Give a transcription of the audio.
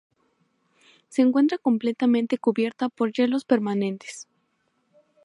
Se encuentra completamente cubierta por hielos permanentes.